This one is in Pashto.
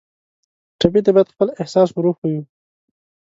ټپي ته باید خپل احساس ور وښیو.